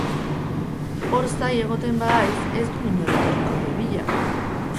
Hor zai egoten bahaiz, ez dun inor etorriko hire bila!